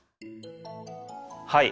はい。